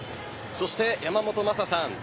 そして山本昌さん。